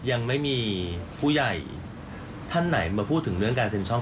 ยังไม่มีผู้ใหญ่ท่านไหนมาพูดถึงเรื่องการเซ็นช่อง